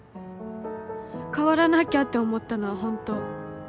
変わらなきゃって思ったのは本当。